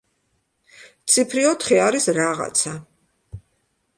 ციფრი ოთხი არის „რაღაცა“.